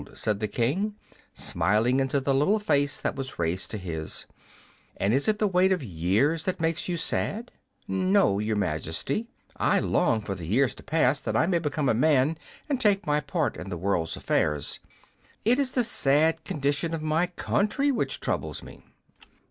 said the King, smiling into the little face that was raised to his. "And is it the weight of years that makes you sad?" "No, Your Majesty; I long for the years to pass, that I may become a man, and take my part in the world's affairs. It is the sad condition of my country which troubles me."